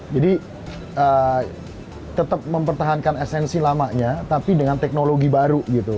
jadi tetep mempertahankan esensi lamanya tapi dengan teknologi baru gitu